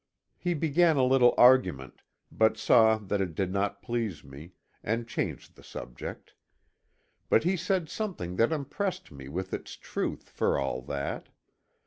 He began a little argument, but saw that it did not please me, and changed the subject. But he said something that impressed me with its truth, for all that.